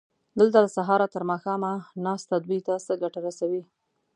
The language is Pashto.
دلته له سهاره تر ماښامه ناسته دوی ته څه ګټه رسوي؟